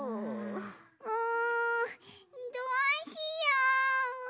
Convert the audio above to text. うんどうしよう？